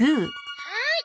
「はい。